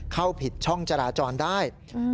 เข้าผิดช่องจราจรได้